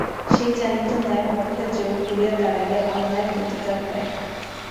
সে জানিত ন্যায়ের পক্ষে জোর করিয়া দাঁড়াইলেই অন্যায়ের প্রতিকার হয়।